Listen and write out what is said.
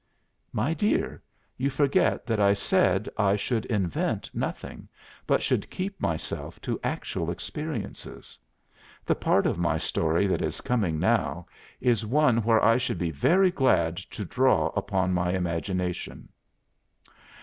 "My dear, you forget that I said I should invent nothing, but should keep myself to actual experiences. The part of my story that is coming now is one where I should be very glad to draw upon my imagination."